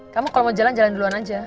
kamu kalau mau jalan jalan duluan aja